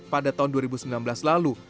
pada tahun dua ribu sembilan belas lalu